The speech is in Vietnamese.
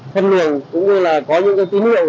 thân lượng cũng như là có những tín hiệu